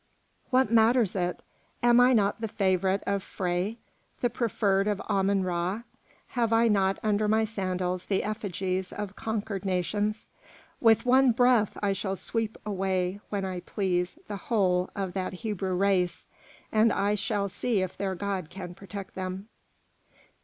"What matters it? Am I not the favourite of Phré, the preferred of Ammon Ra? Have I not under my sandals the effigies of conquered nations? With one breath I shall sweep away when I please the whole of that Hebrew race, and I shall see if their god can protect them."